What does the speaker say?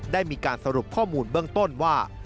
ได้มีการสรุปข้อมูลเบื้องต้นว่า